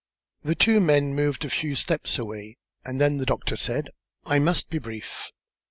The two men moved a few steps away, and then the doctor said: "I must be brief.